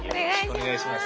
お願いします。